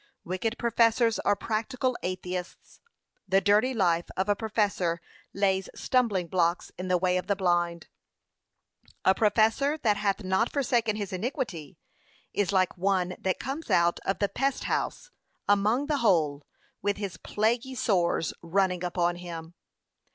Wicked professors are practical atheists. 'The dirty life of a professor lays stumbling blocks in the way of the blind.' p. 545. 'A professor that hath not forsaken his iniquity, is like one that comes out of the pest house, among the whole, with his plaguey sores running upon him.